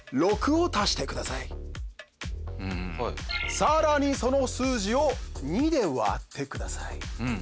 更にその数字を２で割ってください。